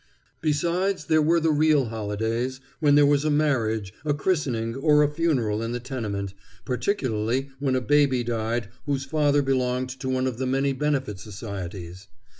Besides, there were the real holidays, when there was a marriage, a christening, or a funeral in the tenement, particularly when a baby died whose father belonged to one of the many benefit societies.